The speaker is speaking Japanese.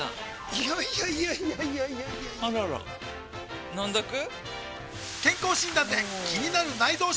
いやいやいやいやあらら飲んどく？